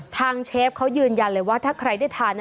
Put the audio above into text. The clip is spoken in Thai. เชฟเขายืนยันเลยว่าถ้าใครได้ทาน